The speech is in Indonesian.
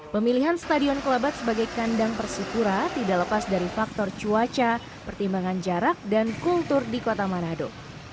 pemilihan stadion kelabat sebagai kandang persipura tidak lepas dari faktor cuaca pertimbangan jarak dan kultur di kota manado